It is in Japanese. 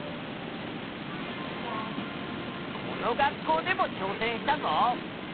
この学校でもちょうせんしたぞ！